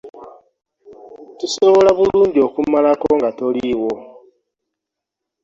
Tusobola bulungi okumalako nga toliiwo.